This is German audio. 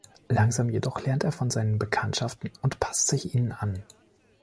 Langsam jedoch lernt er von seinen Bekanntschaften und passt sich ihnen an.